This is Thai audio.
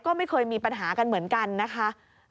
ก็ไม่เคยมีปัญหากันเหมือนกันนะคะ